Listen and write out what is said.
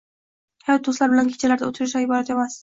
Hayot do‘stlar bilan kechalarda o‘tirishdan iborat emas.